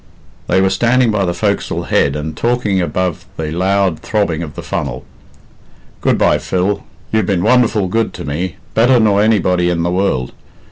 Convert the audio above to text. They were standing by the forecastle head, and talking above the loud throbbing of the funnel. "Good bye, Phil; you've been wonderful good to me better nor anybody in the world.